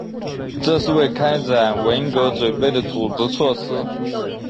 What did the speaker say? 这是为开展文革准备的组织措施。